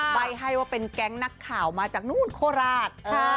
ใบ้ให้ว่าเป็นแก๊งนักข่าวมาจากนู้นโคราช